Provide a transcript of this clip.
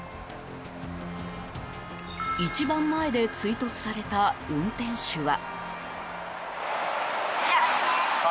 一番前で追突された運転手は。